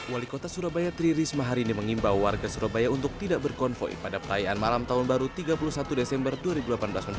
wali kota surabaya tri risma hari ini mengimbau warga surabaya untuk tidak berkonvoy pada perayaan malam tahun baru tiga puluh satu desember dua ribu delapan belas mendatang